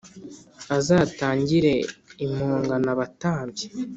azatangire impongano abatambyi